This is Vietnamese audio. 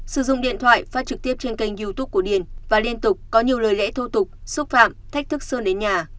sử dụng điện thoại phát trực tiếp trên kênh youtube của điền và liên tục có nhiều lời lẽ thô tục xúc phạm thách thức sơn đến nhà